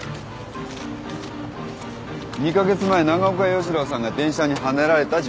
２カ月前長岡洋一郎さんが電車にはねられた時刻。